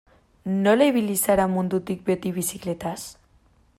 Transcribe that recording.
Nola ibili zara mundutik beti bizikletaz?